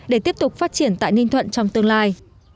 để tiếp tục phát triển tại ninh thuận trong tương lai